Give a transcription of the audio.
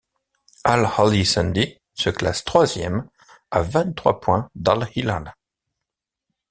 Al Ahly Shendi se classe troisième à vingt-trois points d'Al-Hilal.